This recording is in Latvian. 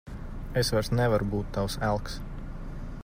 Es vairs nevaru būt tavs elks.